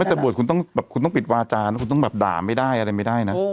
ไม่แต่บวชคุณต้องปิดวาจาคุณต้องด่าไม่ได้อะไรไม่ได้นะ